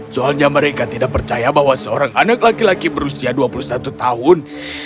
soalnya mereka tidak percaya bahwa seorang anak laki laki berusia dua puluh satu tahun